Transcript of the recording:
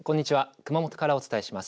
熊本からお伝えします。